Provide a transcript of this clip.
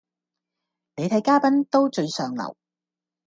你睇嘉賓都最上流